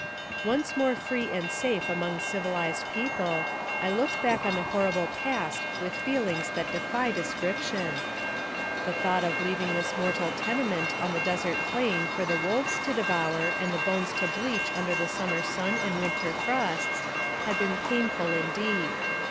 Once more free and safe among civilized people, I looked back on the horrible past with feelings that defy description. The thought of leaving this mortal tenement on the desert plain for the wolves to devour, and the bones to bleach under the summer sun and winter frosts, had been painful indeed.